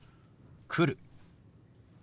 「来る」。